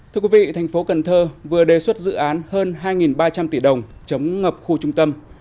thưa quý vị tp hcm vừa đề xuất dự án hơn hai ba trăm linh tỷ đồng chống ngập khu trung tâm